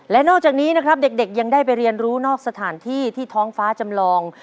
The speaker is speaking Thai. และนอกจากนี้นะครับเด็กยังได้ไปเรียนรู้นอกสถานที่ที่ท้องฟ้าจำลอง